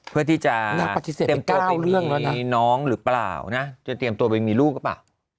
เพื่อที่จะเตรียมตัวเป็นมีน้องหรือเปล่านะปฏิเสธไป๙เรื่องแล้วนะ